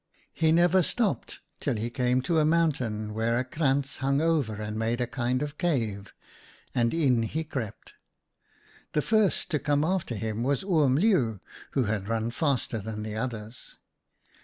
"He never stopped till he came to a moun tain where a krantz hung over and made a kind of cave, and in he crept. The first to come after him was Oom Leeuw, who had run faster than the others.